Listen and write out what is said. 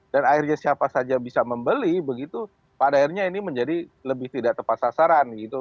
dan akhirnya siapa saja bisa membeli pada akhirnya ini menjadi lebih tidak tepat sasaran